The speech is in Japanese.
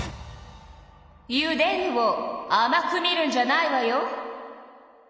「ゆでる」をあまく見るんじゃないわよ！